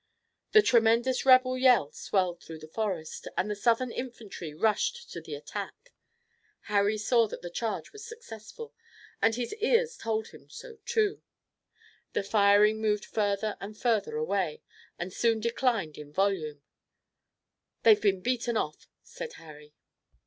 The tremendous rebel yell swelled through the forest, and the Southern infantry rushed to the attack. Harry saw that the charge was successful, and his ears told him so too. The firing moved further and further away, and soon declined in volume. "They've been beaten off," said Harry.